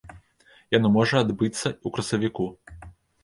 Яно можа адбыцца ў красавіку.